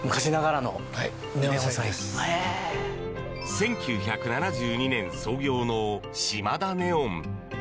１９７２年創業のシマダネオン。